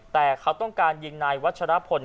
แต่เขาต้องการยิงนายวัชรพล